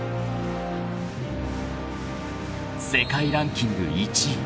［世界ランキング１位］